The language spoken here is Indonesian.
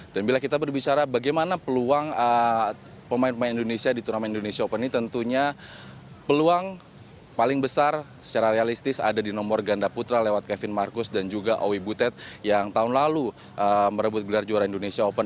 dan bila kita berbicara bagaimana peluang pemain pemain indonesia di turnamen indonesia open ini tentunya peluang paling besar secara realistis ada di nomor ganda putra lewat kevin marcus dan juga owi butet yang tahun lalu merebut gelar juara indonesia open